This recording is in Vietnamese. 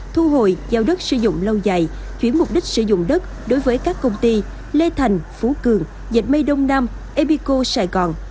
thu hồi giao đất sử dụng lâu dài chuyển mục đích sử dụng đất đối với các công ty lê thành phú cường dịch mây đông nam bico sài gòn